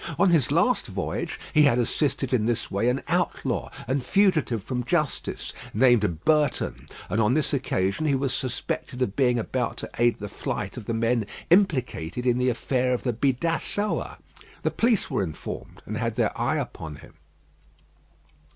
On his last voyage he had assisted in this way an outlaw and fugitive from justice, named Berton; and on this occasion he was suspected of being about to aid the flight of the men implicated in the affair of the Bidassoa. The police were informed, and had their eye upon him.